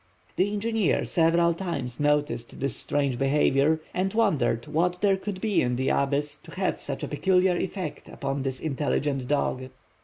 The engineer several times noticed this strange behavior, and wondered what there could be in the abyss to have such a peculiar effect upon this intelligent dog.